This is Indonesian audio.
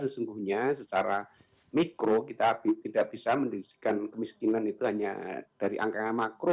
sesungguhnya secara mikro kita tidak bisa mendisikan kemiskinan itu hanya dari angka makro